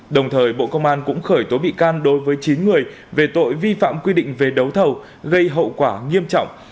đồng thời bộ công an cũng khởi tố bị can đối với chín người về tội vi phạm quy định về đấu thầu gây hậu quả nghiêm trọng